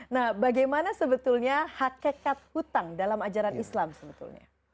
nah bagaimana sebetulnya hakikat hutang dalam ajaran islam sebetulnya